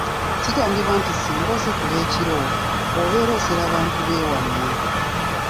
Kigambibwa nti singa osekula ekiro, obeera osera bantu b'ewammwe.